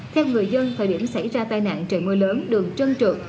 theo người dân thời điểm xảy ra tai nạn trời mưa lớn đường trơn trượt